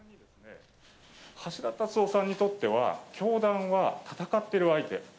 橋田達夫さんにとっては、教団は戦っている相手。